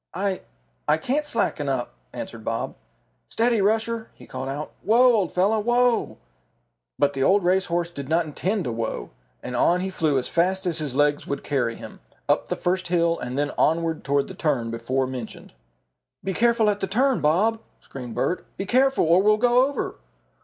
"I I can't slacken up," answered Bob. "Steady, Rusher," he called out. "Whoa, old fellow, whoa!" But the old race horse did not intend to whoa, and on he flew as fast as his legs would carry him, up the first hill and then onward toward the turn before mentioned. "Be careful at the turn, Bob!" screamed Bert. "Be careful, or we'll go over!"